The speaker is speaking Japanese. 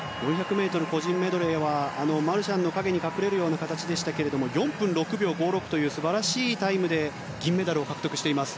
４００ｍ個人メドレーはマルシャンの陰に隠れるような形でしたが４分６秒４６という素晴らしいタイムで銀メダルを獲得しています。